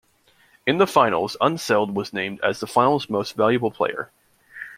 In the Finals, Unseld was named as the Finals Most Valuable Player.